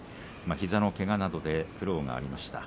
膝のけがなどで苦労がありました。